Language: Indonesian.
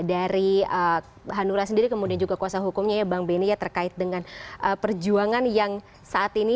dari hanura sendiri kemudian juga kuasa hukumnya ya bang benny ya terkait dengan perjuangan yang saat ini